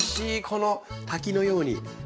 この滝のように。